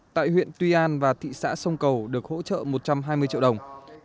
tại huyện tuy an và thị xã sông cầu được hỗ trợ một trăm hai mươi triệu đồng